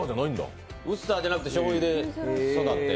ウスターじゃなくてしょうゆで育って。